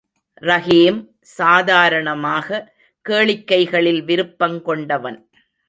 ரஹீம் சாதாரணமாக கேளிக்கைகளில் விருப்பங் கொண்டவன்.